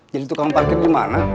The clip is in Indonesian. jadi tukang parkir gimana